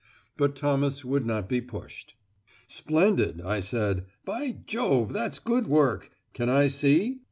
But Thomas would not be pushed. "Splendid," I said: "by Jove, that's good work. Can I see?"